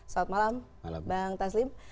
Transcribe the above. selamat malam bang taslim